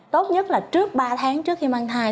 tốt nhất là trước ba tháng trước khi mang thai